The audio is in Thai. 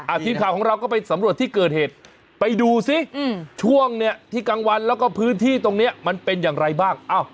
ทีมข่าวของเราก็ไปสำรวจที่เกิดเหตุไปดูซิอืมช่วงเนี้ยที่กลางวันแล้วก็พื้นที่ตรงเนี้ยมันเป็นอย่างไรบ้าง